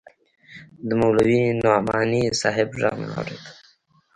د مولوي نعماني صاحب ږغ مې واورېد.